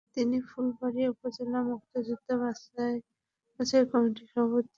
তিনি ফুলবাড়িয়া উপজেলা মুক্তিযোদ্ধা যাচাই-বাছাই কমিটির সভাপতি হিসেবেও দায়িত্ব পালন করেন।